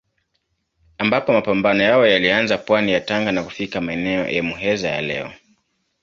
Ambapo mapambano yao yalianza pwani ya Tanga na kufika maeneo ya Muheza ya leo.